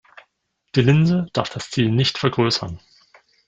Die Linse darf das Ziel nicht vergrößern.